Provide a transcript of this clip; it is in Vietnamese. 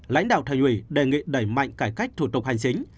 lãnh đạo thành ủy đề nghị đẩy mạnh cải cách thủ tục hành chính